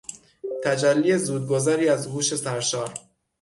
تجلی زودگذری از هوش سرشار